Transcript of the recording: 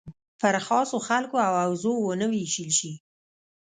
پر خاصو خلکو او حوزو ونه ویشل شي.